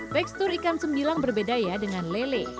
tekstur ikan sembilang berbeda ya dengan lele